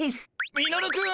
・ミノルくん！